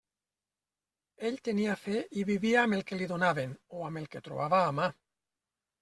Ell tenia fe i vivia amb el que li donaven o amb el que trobava a mà.